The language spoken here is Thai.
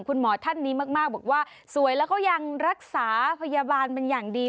คุณหมอท่านนี้มากบอกว่าสวยแล้วก็ยังรักษาพยาบาลเป็นอย่างดี